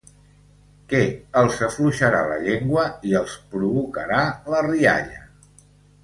Que els afluixarà la llengua i els provocarà la rialla.